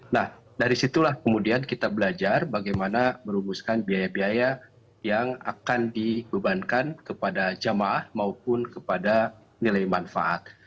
nah dari situlah kemudian kita belajar bagaimana merumuskan biaya biaya yang akan dibebankan kepada jamaah maupun kepada nilai manfaat